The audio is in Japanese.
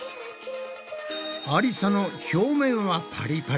ありさの表面はパリパリ